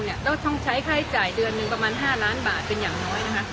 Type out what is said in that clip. ต้องใช้ค่าใช้จ่ายเดือนหนึ่งประมาณ๕ล้านบาทเป็นอย่างน้อยนะคะ